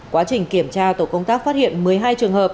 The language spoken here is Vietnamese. quá trình kiểm tra tổ công tác phát hiện một mươi hai trường hợp